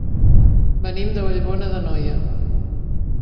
Venim de Vallbona d'Anoia.